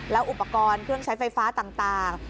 อุปกรณ์เครื่องใช้ไฟฟ้าต่าง